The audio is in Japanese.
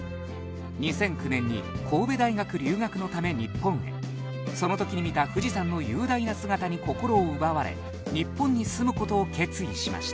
２００９年に神戸大学留学のため日本へその時に見た富士山の雄大な姿に心を奪われ日本に住むことを決意しました